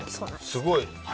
すごい。